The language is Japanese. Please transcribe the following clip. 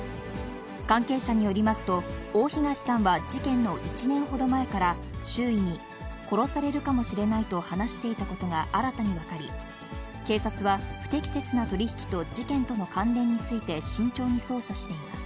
関係者によりますと、大東さんは事件の１年ほど前から周囲に、殺されるかもしれないと話していたことが新たに分かり、警察は不適切な取り引きと事件との関連について、慎重に捜査しています。